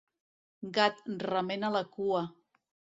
Gat, remena la cua!